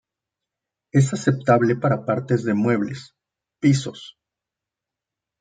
Es aceptable para partes de muebles, pisos.